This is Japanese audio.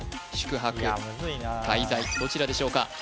宿泊滞在どちらでしょうか？